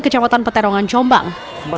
kejabatan peterongan jombang